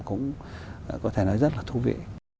cũng có thể nói rất là thú vị